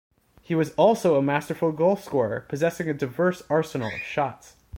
He was also a masterful goal scorer, possessing a diverse arsenal of shots.